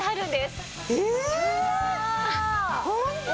えホント！？